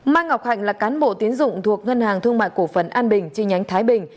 mai ngọc hạnh là cán bộ tiến dụng thuộc ngân hàng thương mại cổ phần an bình trên nhánh thái bình